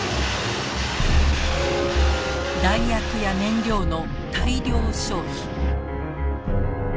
弾薬や燃料の大量消費。